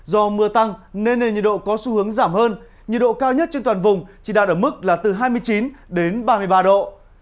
do mưa tăng nên nền nhiệt độ có xu hướng giảm hơn nhiệt độ cao nhất trên toàn vùng chỉ đạt ở mức là từ hai mươi chín đến ba mươi ba độ